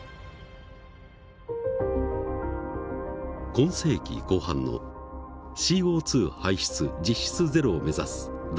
今世紀後半のＣＯ排出実質ゼロを目指す脱炭素革命。